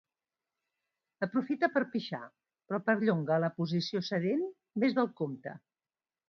Aprofita per pixar, però perllonga la posició sedent més del compte.